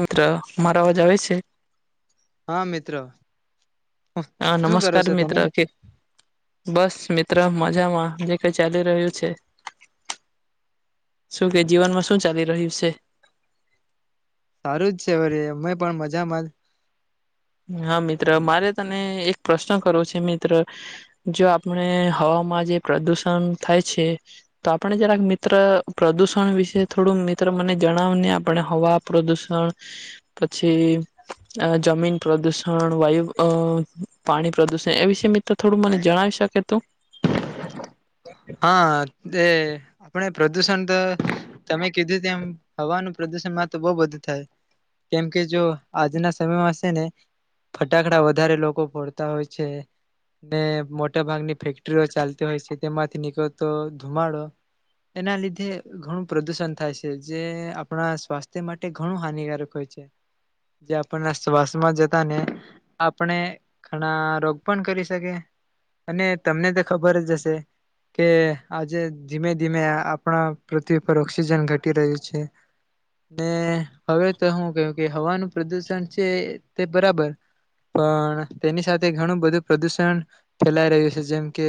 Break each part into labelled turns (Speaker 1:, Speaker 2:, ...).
Speaker 1: મિત્ર મારા અવાજ આવે છે.
Speaker 2: હા મિત્રો
Speaker 1: હા
Speaker 2: શું કરો
Speaker 1: નમસ્કાર
Speaker 2: છો
Speaker 1: મિત્ર
Speaker 2: તમે?
Speaker 1: આખ બસ મિત્ર. મજામાં જે કઈ ચાલી રહ્યું છે. શું કે જીવનમાં શું ચાલી રહ. રહ્યું છે.
Speaker 2: જમદ.
Speaker 1: હા મિત્ર મારે તને એક પ્રશ્ન કરવો છે મિત્ર જો આપણે હવામાં જે પ્રદુષણ થાય છે તો આપણે જરાક મિત્ર પ્રદુષણ વિશે થોડું મિત્ર મને જણાવ ને આપણે હવા પ્રદુષણ પછી જમીન. પ્રદુષણ વાયુ પાણી પ્રદુષણ એ વિષ મિત્ર થોડું મને જણાવી શકે તું.
Speaker 2: હા. એ આપણે પ્રદુષણ તો તમે કીધું તેમ હવાનું પ્રદુષણ માં તો બહ બધું થાય કેમ કે જો આજના સમયમાં છે ને ફટાકડા વધારે લોકો ફોડતા હોય છે ને મોટા ભાગની ફેક્ટરીઓ ચાલતી હોય છે તેમાંજ. ધુમાડો એના લીધે ઘણું પ્રદુષણ થાય છે જે આપણા સ્વાસ્થ્ય માટે ઘણું હાનિકારક હોય છે જે આપણના શ્વાસમાં જતા ને આપણે ઘણા રોગ પણ કરી શકી અને તમને તો ખબર જ હશે. કે આજે ધીમે ધીમે આપણા પૃથ્વી પર ઓક્સિજન ઘટી રહ્યું છે ને હવે તો હું કું કે હવાનું પ્રદુષણ છે તે બરાબર પણ તેની સાથે ઘણું બધું પ્રદુષણ ફેલાઈ રહ્યું છે જેમ કે.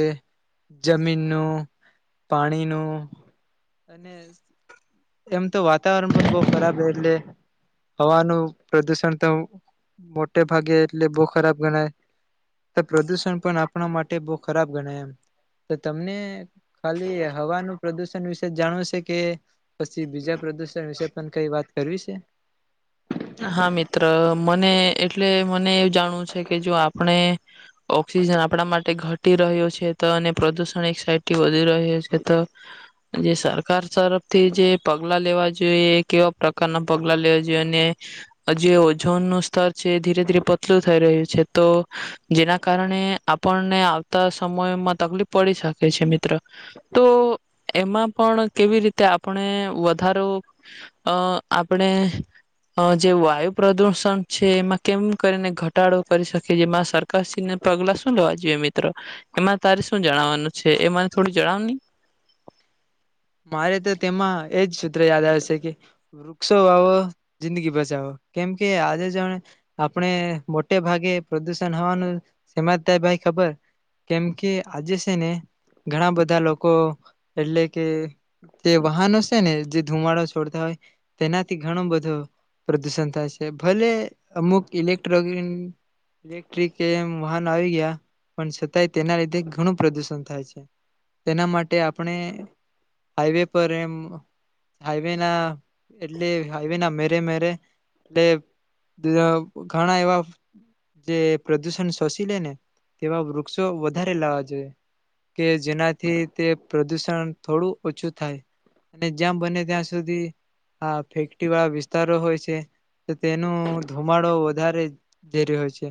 Speaker 2: જમીનનું પાણીનું અને એમ તો વાતાવરણ પણ બહુ ખરાબ એટલે હવાનું પ્રદુષણ તો મોટે ભાગે એટલે બહુ ખરાબ ગણાય તો પ્રદુષણ પણ આપણા માટે બહુ ખરાબ ગણાય એમ. તો તમને ખાલી હવાનું પ્રદુષણ વિશે જાણવ છે કે પછી બીજા પ્રદુષણ વિશે પણ કઈ વાત કરવી છે.
Speaker 1: હા મિત્ર મને એટલે મને એવ જાણવું છે કે જો આપણે ઓક્સિજન આપણા માટે ઘટી રહ્યો છે તો અને પ્રદુષણ એક સાઇડ થી વધી રહ્યો છે તો જે સરકાર તરફથી જે પગલા લેવા જોઈએ એ કેવા પ્રકારના પગલા લેવા જોઈએ અને. જે ઓજોનનુંું સ્તર છે ધીરે ધીરે પતલું થઈ રહ્યું છે તો જેના કારણે આપણને આવતા સમયમાં તકલીફ પડી શકે છે મિત્રો તો એમાં પણ કેવી રીતે આપણે વધારો અ આપણે. જે વાયુ પ્રદુષણ છે એમાં કેમ કરીને ઘટાડો કરી શકે જેમાં સરકારને પગલા શું લેવા જોઈએ મિત્રો એમાં તારે શું જણાવવાનું છે એ મને થોડું જણાવ નહી.
Speaker 2: મારે તો તેમાં એજ સૂત્ર યાદ આવે છે કે વૃક્ષો વાવો જિંદગી બચાવો કેમકે આજે જાણે આપણે મોટે ભાગે પ્રદુષણ હોવાનું સમાત થાય ભાઈ ખબર કેમ કે આજે છે ને ઘણા બધા લોકો એટલે કે. તે વાહનો છે ને જે ધુમાડાો છોડતા હોય તેનાથી ઘણું બધો પ્રદુષણ થાય છે ભલે અમુક ઇલેક્ટ્રોન ઇલેક્ટ્રિક એ વાહનો આવી ગયા પણ છતાંય તેના લીધે ઘણું પ્રદુષણ થાય છે તેના માટે આપણે. હાઈવે પર એમ હાઈવે ના એટલે હાઈવે ના મેરે મેરે એટલે [unintelligible] ઘણા એવા જે પ્રદુષણ શોસીલે ને તેવા વૃક્ષો વધારે લાવા જોઈએ. કે જેનાથી તે પ્રદુષણ થોડું ઓછું થાય. અને જ્યાં બને ત્યાં સુધી આ ફેક્ટરીવાળા વિસ્તારો હોય છે, તો તેનું ધુમાડો વધારે ઝેરી હોય છે.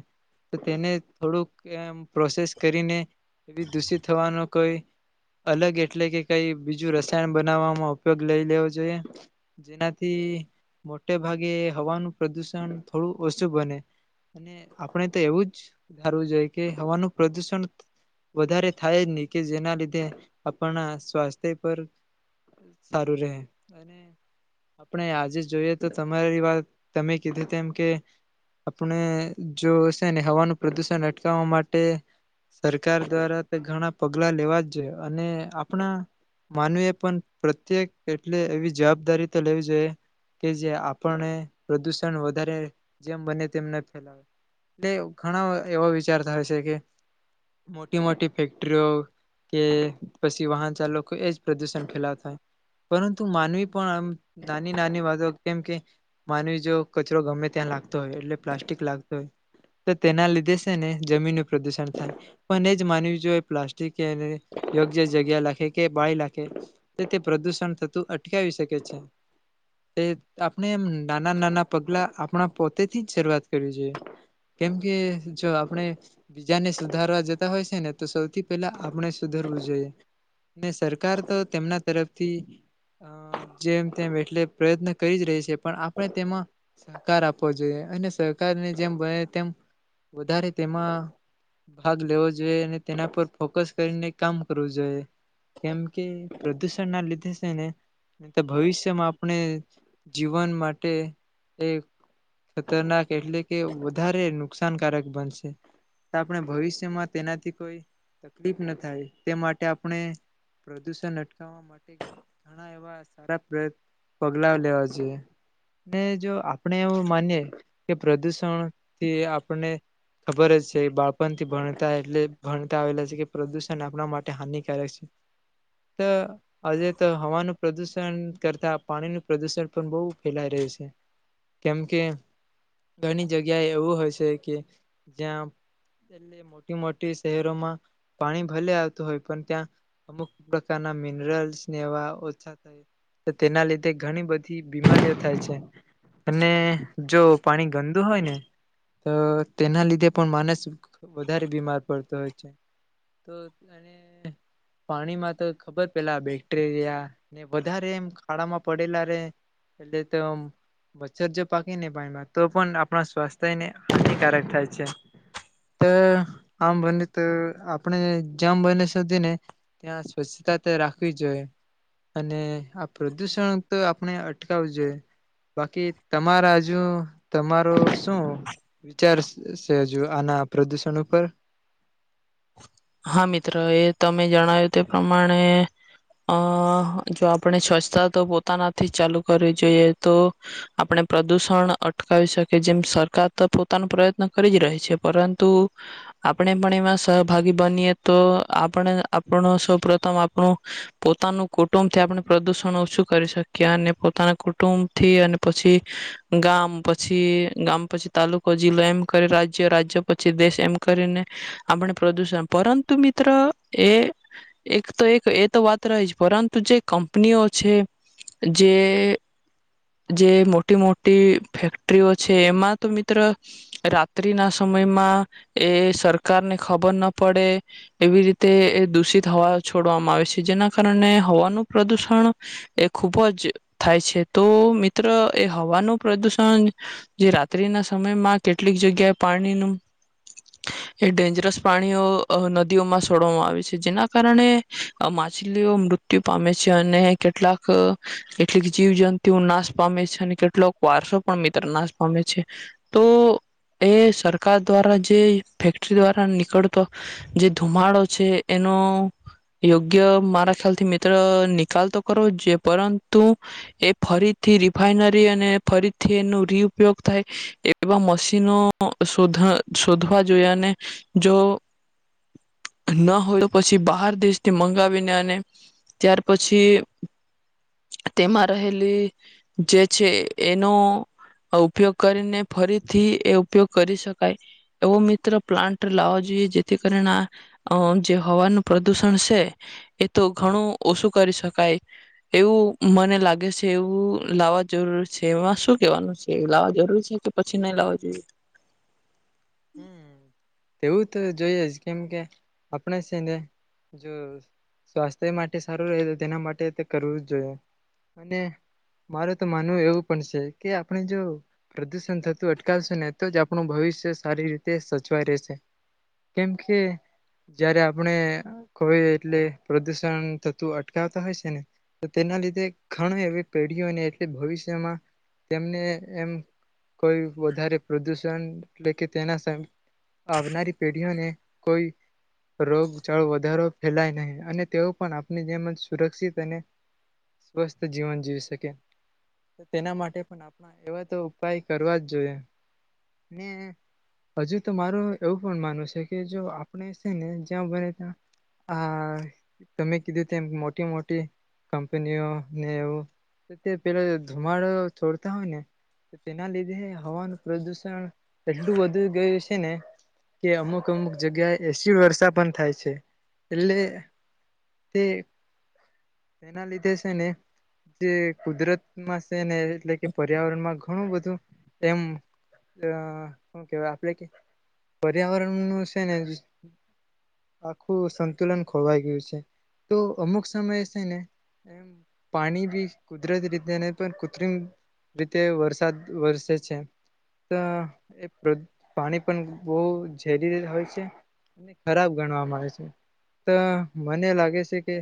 Speaker 2: તો તેને થોડુંક એમ પ્રોસેસ કરીને એવી દૂષિત થવાનું કોઈ અલગ એટલે કે કઈ બીજું રસાયણ બનાવવામાં ઉપયોગ લઈ લેવો જોઈએ. જેનાથી મોટે ભાગે હવાનું પ્રદુષણ થોડું ઓછું બને. અને આપણે તો એવું જ ધારવું જોઈએ કે હવાનું પ્રદુષણ વધારે થાય જ નહીં કે જેના લીધે આપણા સ્વાસ્થ્ય પર સારું રહે. અને આપણે આજે જોઈએ તો તમારી વાત તમે કીધી તેમ કે, આપણે જો હશે ને હવાનું પ્રદુષણ અટકાવવા માટે સરકાર દ્વારા તો ઘણા પગલા લેવાજ જોઈએ. અને આપણા માનવીએ પણ પ્રત્યેક એટલે એવી જવાબદારી તો લેવી જોઈએ. કે જે આપણને પ્રદુષણ વધારે જેમ બને તેમ ન ફેલાવે. એટલે ઘણા એવા વિચાર થાય છે કે, મોટી મોટી ફેક્ટરીઓ કે પછી વાહન ચાલકો કો એજ પ્રદુષણ ફેલાવતા. પરંતુ માનવી પણ આમ નાની નાની વાતો કેમ કે માનવી જો કચરો ગમે ત્યાં લાગતો હોય. એટલે પ્લાસ્ટિક લાગતો હોય. તો તેના લીધે શેને જમીનનું પ્રદુષણ થાય. પણ એ જ માનવી જો એ પ્લાસ્ટિક ક્યારે યોગ્ય જગ્યા લાખે કે બાળી લાખે. તો તે પ્રદુષણ થતું અટકાવી શકે છે. તે આપણે એમ નાના નાના પગલા આપણા પોતેથી જ શરૂઆત કરવી જોઈએ. કેમકે જો આપણે બીજાને સુધારવા જતા હોય છે ને, તો સૌથી પહેલા આપણે સુધરવું જોઈએ. ને સરકાર તો તેમના તરફથી અ જેમ તેમ એટલે પ્રયત્ન કરી જ રહી છે પણ આપણે તેમાં કાર આપવો જોઈએ અને સહકારને જેમ બને તેમ વધારે તેમાં ભાગ લેવો જોઈએ. અને તેના પર ફોકસ કરીને કામ કરવું જોઈએ. કેમકે પ્રદૂષણ ના લીધે છેને ભવિષ્યમાં આપણે જીવન માટે એ ખતરનાક એટલે કે વધારે નુકસાનકારક બનશે. આપણે ભવિષ્યમાં તેનાથી કોઈ [unintelligible] ન થાય તે માટે આપણે પ્રદુષણ અટકાવવા માટે ઘણા એવા સારા પ્ર પગલા લેવા જોઇયે. ને જો આપણે એવું માનીએ કે પ્રદુષણ તે આપને ખબર જ છે બાળપણથી ભણ તા એટલે ભણતા આવેલા છે કે પ્રદુષણ આપણા માટે હાનિકારક છે. ત આજે તો હવાનું પ્રદુષણ કરતા પાણીનું પ્રદુષણ પણ બહુ ફેલાય રહ્યું છે. કેમ કે ઘણી જગ્યા એવું હોય છે કે જ્યાં એટ મોટી મોટી શહેરોમાં પાણી ભલે આવતું હોય પણ ત્યાં અમુક પ્રકારના મિનરલ્સને એવા ઓછા થાય, તો તેના લીધે ઘણી બધી બીમારીઓ થાય છે. અને જો પાણી ગંદુ હોય ને તો તેના લીધે પણ માણસ વધારે બીમાર પડતો હોય છે. તો પાણીમાં તો ખબર પેલા બેક્ટેરિયા ને વધારે એમ ખાડામાં પડેલા રે એટલે તો આમ મચ્છર જો પાકી ને પાણીમાં તો પણ આપણા સ્વાસ્થ્યને હાનિકારક થાય છે. તો આમ બને તો આપણે જેમ બને સુધીને ત્યાં સ્વચ્છતા તે રાખવી જોઈએ. અને આ પ્રદુષણ તો આપણે અટકાવું જોઈએ. બાકી તમારા હજુ તમારો શું વિચારશે શે હજુ આના પ્રદુષણ ઉપર
Speaker 1: હા મિત્ર, એ તમે જણાવ્યું તે પ્રમાણે અ જો આપણે સ્વચ્છતા તો પોતાનાથી ચાલુ કરવી જોઈએ. તો આપણે પ્રદુષણ અટકાવી શકીએ. જેમ સરકાર તો પોતાનો પ્રયત્ન કરી જ રહી છે. પરંતુ આપણે પણ એમાં સહભાગી બનીએ તો આપણે આપણો સૌપથમ આપણું પોતાનું કુટુંબ થી આપણે પ્રદુષણ ઓછું કરી શકીએ. અને પોતાના કુટુંબથી અને પછી ગામ, પછી ગામ પછી તાલુકો, જિલ્લો એમ કરી રાજ્ય, રાજ્ય પછી દેશ એમ કરીને આપણે પ્રદુષણ પરંતુ મિત્ર એ એક તો એક એ તો વાત રહી જ પરંતુ જે કંપનીઓ છે. જે જે મોટી મોટી ફેક્ટરીઓ છે, એમાં તો મિત્ર રાત્રિ ના સમયમાં એ સર પ્રકારને ખબર ના પડે એવી રીતે એ દૂષિત હવા છોડવામાં આવે છે. જેના કારણે હવાનું પ્રદુષણ એ ખુબ જ થાય છે. તો મિત્ર, એ હવાનું પ્રદુષણ જે રાત્રિના સમયમાં કેટલીક જગ્યાએ પાણીનું એ ડેન્જરસ પ્રાણીઓ અ નદીઓમાં છોડવામાં આવે છે. જેના કારણે અ માછલીઓ મૃત્યુ પામે છે. અને કેટલાક કેટલીક જીવજંતુઓ નાશ પામે છે. અને કેટલાક વારસો પણ મિત્ર નાશ પામે છે. તો એ સરકાર દ્વારા જે ફેક્ટરી દ્વારા નીકળતો જે ધુમાડો છે, એનો યોગ્ય મારા ખ્યાલથી મિત્ર નિકાલ તો કરવો જોઈએ. પરંતુ એ ફરીથી રિફાઈનરી અને ફરીથી એનો રીઉપયોગ થાય એવા મશીનો ઓ શોધ શોધવા જોયા અને જો ન હોય તો પછી બહાર દેશથી મંગાવીને અને ત્યાર પછી તેમાં રહેલી જે છે એનો ઉપયોગ કરીને ફરીથી એ ઉપયોગ કરી શકાય. તો મિત્ર ત્ર પ્લાન્ટ લાવવા જોઈએ જેથી કરીને અ જે હવાનું પ્રદુષણ છે, એ તો ઘણું ઓછું કરી શકાય. એવું મને લાગે છે. એવું લાવવા જરૂરી છે. એમાં શું કેવાનું છે લાવવા જરૂરી છે કે પછી નહી લાવવા જોઈએ?
Speaker 2: હમ તેવું તો જોઈએજ કેમકે આપણે છેને જો સ્વાસ્થ્ય માટે સારું રહે તો તેના માટે કરવું જ જોઈએ. અને માર તો માનવું એવું પણ છે કે આપણે જો પ્રદુષણ થતું અટકાવશું ને તો જ આપણું ભવિષ્ય સારી રીતે સચવાય રહેશે. કેમ કે જયારે આપણે કોઈ એટલે પ્રદૂષણ તતું અટકાવતા હોય છે ને. તો તેના લીધે ઘણી એવી પેઢીઓને એટલે ભવિષ્યમાં તેમને એમ કોઈ વધારે પ્રદૂષણ એટલે કે તેના સ આવનારી પેઢીઓને કોઈ રોગચળો વધારો ફેલાય નહીં. અને તેઓ પણ આપણી જેમ જ સુરક્ષિત અને સ્વસ્થ જીવન જીવી શકે. તેના માટે પણ આપણા એવાતો ઉપાય કરવા જ જોઈએ. હજુ તો મારું એવું પણ માનવું છે કે, જો આપણે છે ને જ્યાં બનેત્યા આ તમે કીધું તેમ મોટી મોટી કંપનીઓ ને એવું તે પેલા ધુમાડો છોડતા હોય ને તેના લીધે હવાનું પ્રદુષણ એટલું બધું ગયું છે ને, કે અમુક અમુક જગ્યાએ એસીડ વર્ષા પણ થાય છે. એટલે તે તેના લીધે છે ને જે કુદરતમાં શે ને એટલે કે પર્યાવરણ માં ઘણું બધું એમ આ શુ કેવાય આપણે કે પર્યાવરણનું છે ને, આખું સંતુલન ખોરવાઈ ગયું છે. તો અમુક સમયે છે ને એમ પાણી બી કુદરતી રીતે પણ કૃત્રિમ રીતે વરસાદ વરસે છે. પાણી પણ બહુ ઝેરી હોય છે. અને ખરાબ ગણવામાં આવે છે. તો મને લાગે છે કે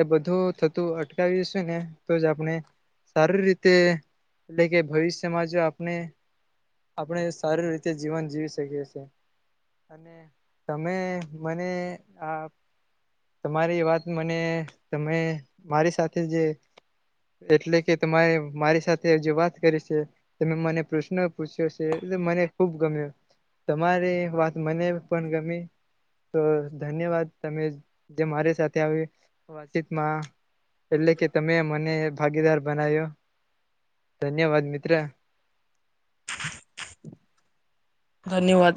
Speaker 2: એ બધું થતું અટકાવ્યું છે ને તો જ આપણે સારી રીતે એટ એટલે કે ભવિષ્યમાં જો આપણે આપણે સારી રીતે જીવન જીવી શકીએ છે. અને તમે મને આ તમારી વાત મને તમે મારી સાથે જે એટલે કે તમારે મારી સાથે જે વાત કરી છે. તમે મને પ્રશ્ન પૂછ્યો છે. મને ખુબ ગમ્યો. તમારી વાત મને પણ ગમી. તો ધન્યવાદ તમે જે મારી સાથે આવી વાતચીતમાં એટલે કે તમે મને ભાગીદાર બનાવ્યો ધન્યવાદ મિત્ર.
Speaker 1: [inaudible] ધન્યવાદ.